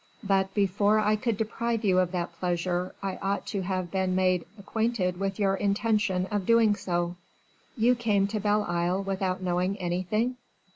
"But before I could deprive you of that pleasure, I ought to have been made acquainted with your intention of doing so." "You came to Belle Isle without knowing anything?"